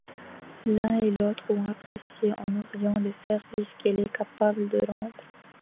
L'un et l'autre ont apprécié, en Orient, les services qu'il est capable de rendre.